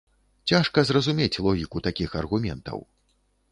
Цяжка зразумець логіку такіх аргументаў.